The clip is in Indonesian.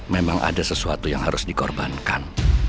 memang ada sesuatu yang harus dikorbankan